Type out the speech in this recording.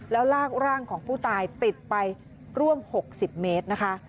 แล้วลากร่างของผู้ตายติดไปร่วม๖๐เมตรนะคะ